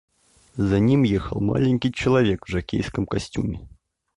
За ним ехал маленький человек в жокейском костюме.